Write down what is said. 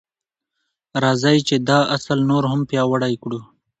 راځئ چې دا اصل نور هم پیاوړی کړو.